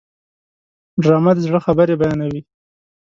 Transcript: ډرامه د زړه خبرې بیانوي